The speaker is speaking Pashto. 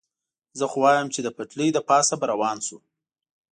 زه خو وایم، چې د پټلۍ له پاسه به روان شو.